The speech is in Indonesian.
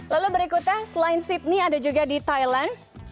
lalu berikutnya selain sydney ada juga di thailand